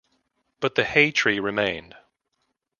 But the Hay Tree remained.